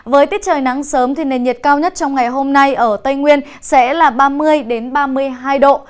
với tiết trời nắng sớm thì nền nhiệt cao nhất trong ngày hôm nay ở tây nguyên sẽ là ba mươi ba mươi hai độ